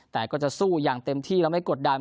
แต่ก็จะสู้อย่างเต็มที่และไม่กดดัน